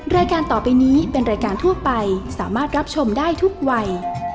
รายการต่อไปนี้เป็นรายการทั่วไปสามารถรับชมได้ทุกวัย